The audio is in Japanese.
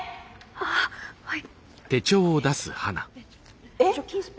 あっはい。